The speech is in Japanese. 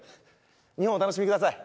日本をお楽しみください。